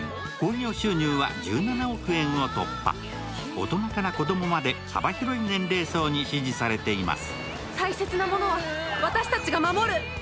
大人から子供まで幅広い年齢層に支持されています。